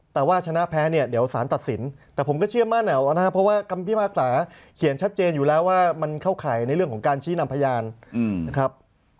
แต่ว่าชนะแพ้เนี่ยเดี๋ยวสารตัดสินแต่ผมก็เชื่อมั่นเอานะครับเพราะว่าคำพิพากษาเขียนชัดเจนอยู่แล้วว่ามันเข้าข่ายในเรื่องของการชี้นำพยานนะครับ